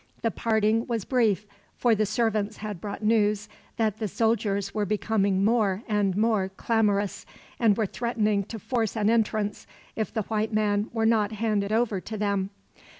The parting was brief, for the servants had brought news that the soldiers were becoming more and more clamorous; and were threatening to force an entrance, if the white man were not handed over to them.